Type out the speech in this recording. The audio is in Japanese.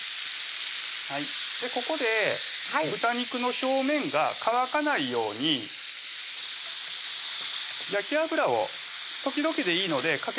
ここで豚肉の表面が乾かないように焼きあぶらを時々でいいのでかけてあげてください